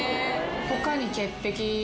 他に潔癖